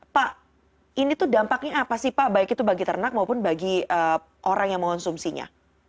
pak ini tuh dampaknya apa sih pak baik itu bagi ternak maupun bagi orang yang mengonsumsinya